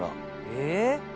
えっ？